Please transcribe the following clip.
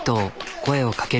声をかける。